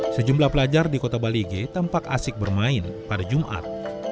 sejumlah pelajar di kota balige tampak asik bermain pada jumat